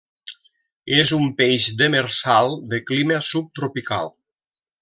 És un peix demersal de clima subtropical.